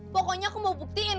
pokoknya aku mau buktiin